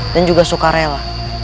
dan juga suka rela